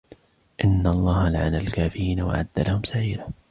إن الله لعن الكافرين وأعد لهم سعيرا